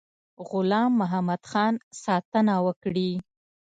غلام محمدخان ساتنه وکړي.